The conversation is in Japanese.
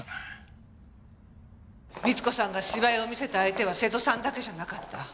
美津子さんが芝居を見せた相手は瀬戸さんだけじゃなかった。